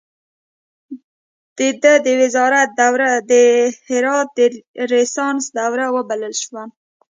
د ده د وزارت دوره د هرات د ریسانس دوره وبلل شوه.